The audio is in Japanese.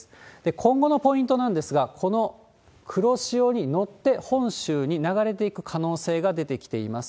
今後のポイントなんですが、この黒潮に乗って本州に流れていく可能性が出てきています。